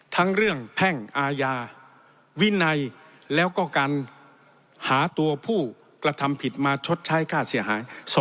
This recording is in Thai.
ทั้งเรื่องแพ่งอาญาวินัยแล้วก็การหาตัวผู้กระทำผิดมาชดใช้ค่าเสียหาย